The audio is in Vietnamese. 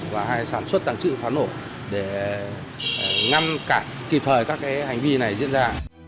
hay sản xuất tàng trữ pháo nổ để ngăn cản kịp thời các cái hành vi này diễn ra